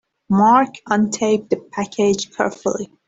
Mark untaped the package carefully.